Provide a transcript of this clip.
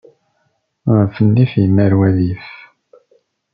Ɣef nnif, immar wadif.